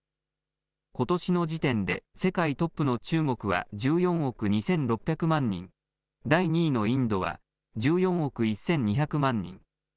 ことしの時点で、世界トップの中国は１４億２６００万人、第２位のインドは１４億１２００万人。